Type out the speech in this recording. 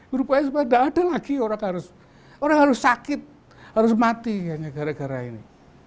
berupaya supaya tidak ada lagi orang harus sakit harus mati hanya gara gara ini